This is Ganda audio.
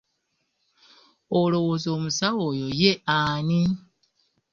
Olowooza omusawo oyo ye ani?